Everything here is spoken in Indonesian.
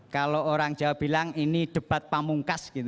kalau orang jawa bilang ini debat pamungkas gitu